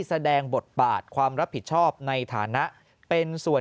แสดงบทบาทความรับผิดชอบในฐานะเป็นส่วน